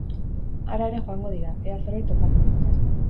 Hara ere joango dira, ea zerbait topatzen duten.